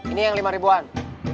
ini yang lima ribuan